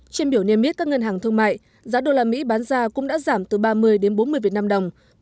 trên biểu niêm biết các ngân hàng thương mại giá đô la mỹ bán ra cũng đã giảm từ ba mươi đến bốn mươi